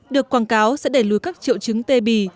được quảng cáo sẽ để lùi các triệu chứng tê bì